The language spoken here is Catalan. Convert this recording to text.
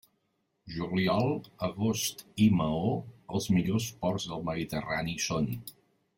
Juliol, agost i Maó, els millors ports del Mediterrani són.